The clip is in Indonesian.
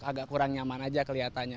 agak kurang nyaman aja kelihatannya